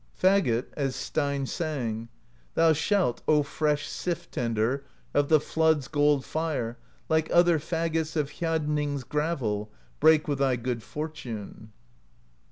Fagot, as Steinn sang: Thou shalt, O fresh Sif Tender Of the Flood's gold Plre, like other Fagots of Hjadnings' gravel, Break with thy good fortune.